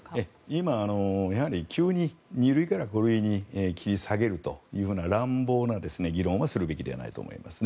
今、やはり急に２類から５類に切り下げるという乱暴な議論はするべきではないと思います。